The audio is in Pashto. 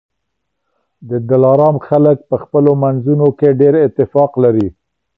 د دلارام خلک په خپلو منځونو کي ډېر اتفاق لري